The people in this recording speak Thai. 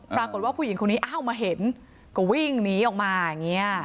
ปรากฏว่าผู้หญิงคนนี้อ้าวมาเห็นก็วิ่งหนีออกมาอย่างนี้